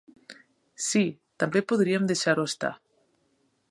Sí, també podríem deixar-ho estar.